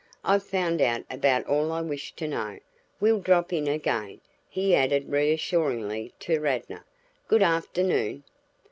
"I've found out about all I wished to know. We'll drop in again," he added reassuringly to Radnor. "Good afternoon."